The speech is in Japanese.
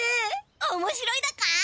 おもしろいだか？